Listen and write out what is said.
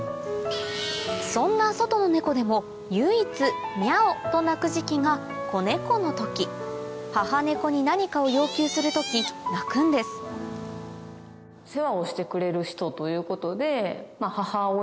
そんな外のネコでも唯一「ミャオ」と鳴く時期が子ネコの時母ネコに何かを要求する時鳴くんですと思います。